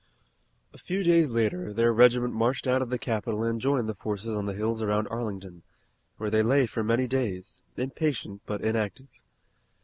A few days later their regiment marched out of the capital and joined the forces on the hills around Arlington, where they lay for many days, impatient but inactive.